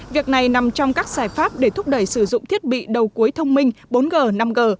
việc này nằm trong các giải pháp để thúc đẩy sử dụng thiết bị đầu cuối thông minh bốn g năm g